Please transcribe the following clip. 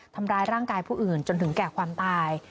ทำร้ายร่างกายผู้อื่นจนถึงแก่ความตาย